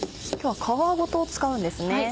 今日は皮ごと使うんですね。